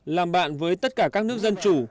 làm bạn với tất cả các nước dân chủ